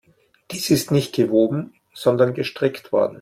Dies ist nicht gewoben, sondern gestrickt worden.